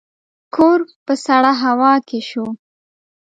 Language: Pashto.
کور په سړه هوا کې شو.